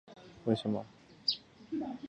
芋形笔螺为笔螺科芋笔螺属下的一个种。